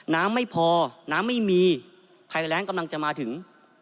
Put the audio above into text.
น้ำไม่พอน้ำไม่มีภัยแรงกำลังจะมาถึง